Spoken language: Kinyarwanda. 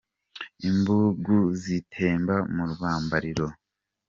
Imbugu zitemba mu rwambariro.